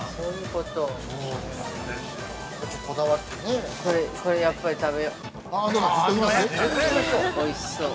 ◆これ、やっぱり食べよう。